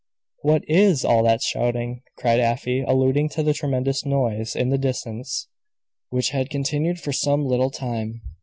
"What is all that shouting?" cried Afy, alluding to a tremendous noise in the distance, which had continued for some little time.